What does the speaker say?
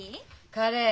カレー。